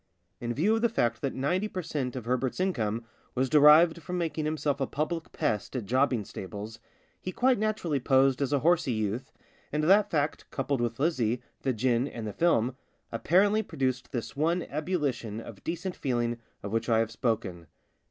In view of the fact that ninety per cent, of Herbert's income was derived from making himself a public pest at jobbing stables, he quite naturally posed as a horsey youth, and that fact, coupled with Lizzie, the gin, and the film, apparently produced this one ebullition of decent feeling of which I have spoken.